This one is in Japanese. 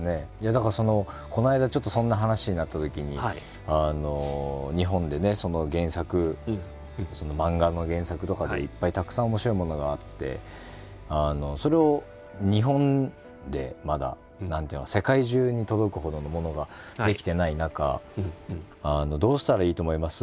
だからそのこの間ちょっとそんな話になったときに日本でねその原作漫画の原作とかでいっぱいたくさん面白いものがあってそれを日本でまだ世界中に届くほどのものが出来てない中どうしたらいいと思います？